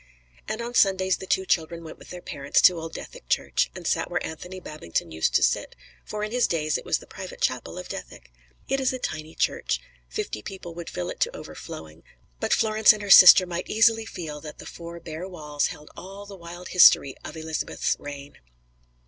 And on Sundays the two children went with their parents to old Dethick church, and sat where Anthony Babington used to sit, for in his days it was the private chapel of Dethick. It is a tiny church; fifty people would fill it to overflowing, but Florence and her sister might easily feel that the four bare walls held all the wild history of Elizabeth's reign.